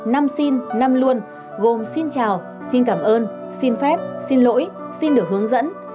năm xin năm luôn gồm xin chào xin cảm ơn xin phép xin lỗi xin được hướng dẫn